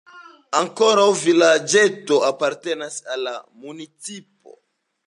Ankoraŭ vilaĝeto apartenas al la municipo.